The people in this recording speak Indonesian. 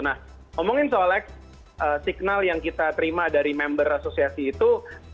nah ngomongin soal signal yang kita terima dari member asosiasi itu